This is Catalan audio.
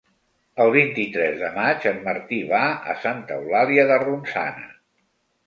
El vint-i-tres de maig en Martí va a Santa Eulàlia de Ronçana.